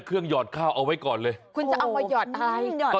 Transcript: คุณจะเอามาหยอดอะไร